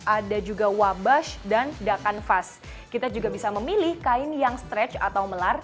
ada juga wabash dan dakkanvas kita juga bisa memilih kain yang stretch atau melar dan non stretch